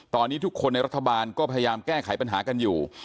ตอนนี้ทุกคนในรัฐบาลก็พยายามแก้ไขปัญหากันอยู่